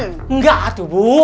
enggak atuh bu